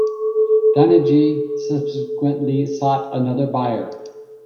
Dynegy subsequently sought another buyer.